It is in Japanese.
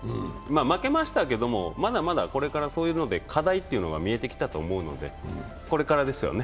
負けましたけど、まだまだこれから、そういうので課題っていうのが見えてきたと思うのでこれからですよね。